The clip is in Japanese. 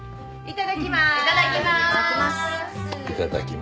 いただきます。